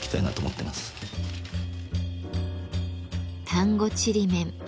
丹後ちりめん。